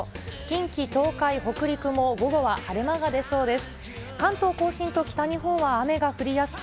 近畿、東海、北陸も午後は晴れ間が出そうです。